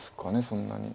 そんなに。